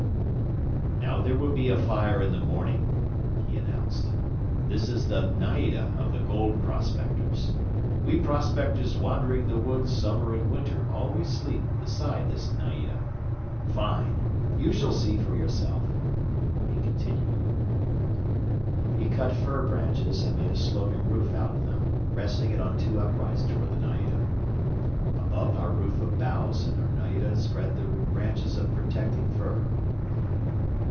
"Now there will be a fire in the morning," he announced. "This is the 'naida' of the gold prospectors. We prospectors wandering in the woods summer and winter always sleep beside this 'naida.' Fine! You shall see for yourself," he continued. He cut fir branches and made a sloping roof out of them, resting it on two uprights toward the naida. Above our roof of boughs and our naida spread the branches of protecting fir.